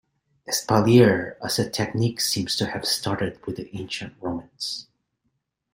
Espalier as a technique seems to have started with the ancient Romans.